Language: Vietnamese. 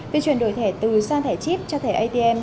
việc chuyển đổi thẻ từ sang thẻ chip cho thẻ atm